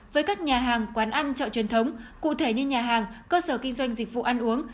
với các nhà hàng quán ăn chợ truyền thống cụ thể như nhà hàng cơ sở kinh doanh dịch vụ ăn uống